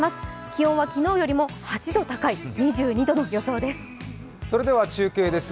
気温は昨日よりも８度高い２２度の予想です。